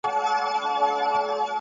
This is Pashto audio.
د کانونو استخراج باید مسلکي وي.